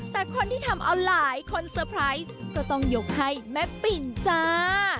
แต่คนที่ทำเอาหลายคนเตอร์ไพรส์ก็ต้องยกให้แม่ปิ่นจ้า